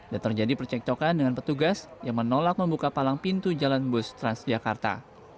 dan terjadi percekcokan dengan petugas yang menolak membuka palang pintu jalan bus transjakarta